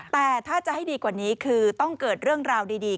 แต่ถ้าจะให้ดีกว่านี้คือต้องเกิดเรื่องราวดี